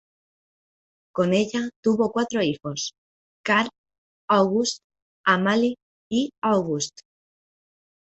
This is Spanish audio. Con ella tuvo cuatro hijos: Karl, August, Amalie y Auguste.